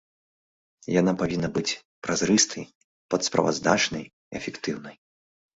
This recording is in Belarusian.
Яна павінна быць празрыстай, падсправаздачнай, эфектыўнай.